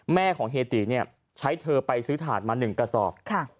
แม่ของเหตุใช้เธอไปซื้อถ่านมา๑กระสอบ